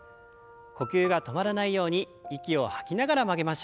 呼吸が止まらないように息を吐きながら曲げましょう。